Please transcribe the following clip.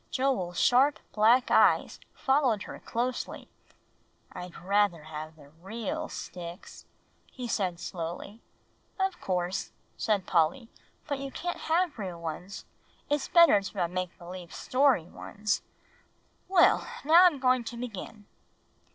Joel's sharp black eyes followed her closely. "I'd rather have the real sticks," he said slowly. "Of course," said Polly; "but if you can't have real ones, it's better to have make believe story ones. Well, now I'm going to begin."